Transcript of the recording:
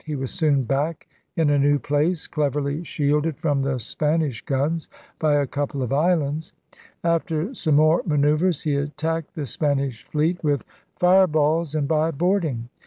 He was soon back in a new place, cleverly shielded from the Spanish guns by a couple of islands. After some more manoeuvres he attacked the Spanish fleet with fire DRAKE'S END 227 balls and by boarding.